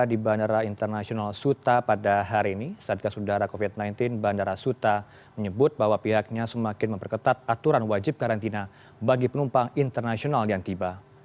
di bandara internasional suta pada hari ini satgas udara covid sembilan belas bandara suta menyebut bahwa pihaknya semakin memperketat aturan wajib karantina bagi penumpang internasional yang tiba